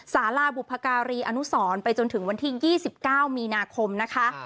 สาราบุพการีอนุสรไปจนถึงวันที่๒๙มีนาคมนะคะ